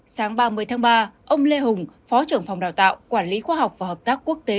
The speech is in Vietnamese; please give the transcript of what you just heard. sáng ba mươi tháng ba ông lê hùng phó trưởng phòng đào tạo quản lý khoa học và hợp tác quốc tế